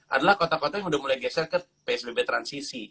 adalah kota kota yang sudah mulai geser ke psbb transisi